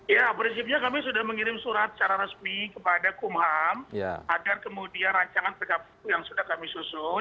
ya prinsipnya kami sudah mengirim surat secara resmi kepada kumham agar kemudian rancangan pkpu yang sudah kami susun